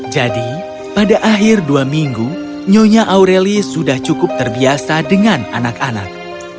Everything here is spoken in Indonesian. jadi pada akhir dua minggu nyonya aureli sudah cukup terbiasa dengan anak anak